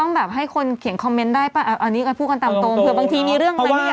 โอ้โฮคุณแม่เพื่อนหนูเลย